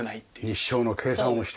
日照の計算をして。